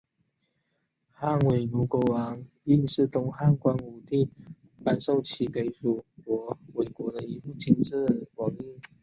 汉倭奴国王印是东汉光武帝颁授给其属国倭奴国的一枚金制王印。